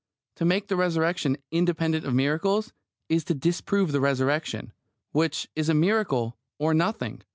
To make the Resurrection "independent of miracles" is to disprove the Resurrection, which is a miracle or nothing.